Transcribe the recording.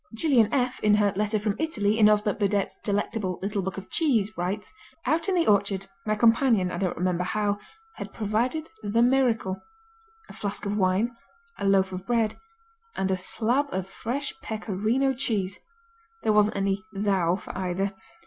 Gillian F., in her "Letter from Italy" in Osbert Burdett's delectable Little Book of Cheese, writes: Out in the orchard, my companion, I don't remember how, had provided the miracle: a flask of wine, a loaf of bread and a slab of fresh Pecorino cheese (there wasn't any "thou" for either)